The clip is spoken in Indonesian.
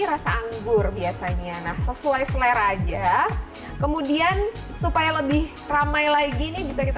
rasa anggur biasanya nah sesuai selera aja kemudian supaya lebih ramai lagi nih bisa kita